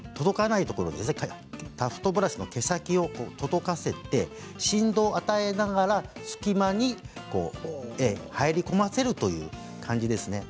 タフトブラシの毛先を届かせて振動を与えながら隙間に入り込ませるという感じですね。